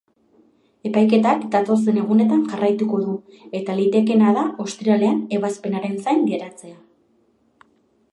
Epaiketak datozen egunetan jarraituko du eta litekeena da ostiralean ebazpenaren zain geratzea.